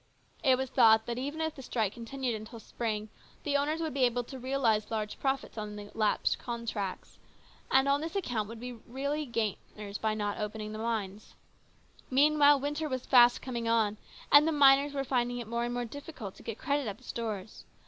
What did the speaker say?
It was thought that, even if the strike continued until spring, the owners would be able to realise large profits on lapsed contracts, and on this account would really be the gainers by not operating the mines. Meanwhile, winter was fast coming on, and the miners were finding it more and more difficult to get credit at the stores.